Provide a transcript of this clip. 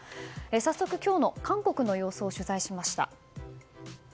早速、今日の韓国の様子を取材しました。